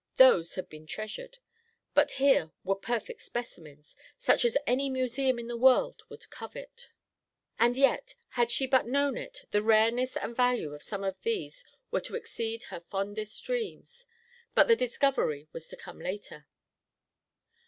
Those had been treasured. But here were perfect specimens, such as any museum in the world would covet. And yet, had she but known it, the rareness and value of some of these were to exceed her fondest dreams. But this discovery was to come later.